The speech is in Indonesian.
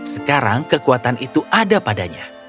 sekarang kekuatan itu ada padanya